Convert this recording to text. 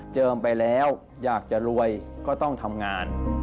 ไปแล้วอยากจะรวยก็ต้องทำงาน